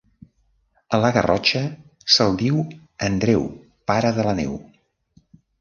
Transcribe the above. A la Garrotxa se'l diu Andreu, Pare de la Neu.